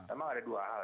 emang ada dua hal